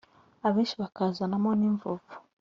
abenshi bakazanamo n’imvuvu